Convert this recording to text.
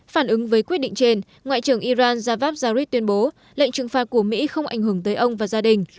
phản ứng với quyết định trên ngoại trưởng iran javad zarif tuyên bố lệnh trừng phạt của mỹ không ảnh hưởng tới ông và gia đình